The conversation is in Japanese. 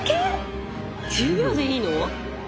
１０秒でいいの？